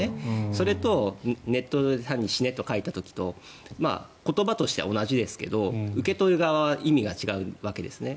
それとネットで単に死ねと書いた時と言葉としては同じですけど受け取る側は意味が違うわけですね。